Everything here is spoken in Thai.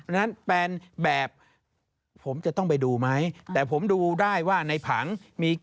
มันอาจมันดูที่ตาเปล่าไม่เห็นหรอคะ